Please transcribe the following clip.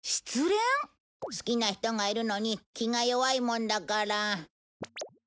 好きな人がいるのに気が弱いもんだから。